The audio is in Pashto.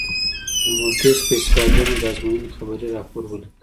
له موقع نه په استفادې مو د ازموینې خبري راپور ولیکه.